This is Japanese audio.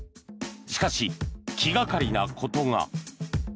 しかし、気掛かりなことが。